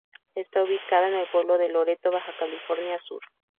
Está ubicado en el pueblo de Loreto, Baja California Sur.